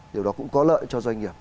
điều đó cũng có lợi cho doanh nghiệp